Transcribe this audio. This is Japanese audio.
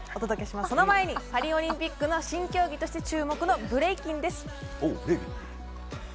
その前にパリオリンピックの新競技として注目、ブレイキン。